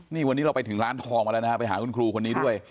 นี่วันนี้เราไปถึงร้านทองมาแล้วนะฮะไปหาคุณครูคนนี้ด้วย